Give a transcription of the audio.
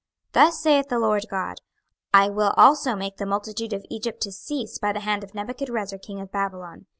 26:030:010 Thus saith the Lord GOD; I will also make the multitude of Egypt to cease by the hand of Nebuchadrezzar king of Babylon.